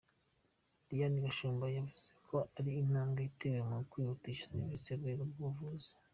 Diane Gashumba, yavuze ko ari intambwe itewe mu kwihutisha serivisi rwego rw’ubuvuzi.